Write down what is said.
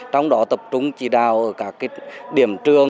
trong đó tập trung chỉ đào ở các điểm trường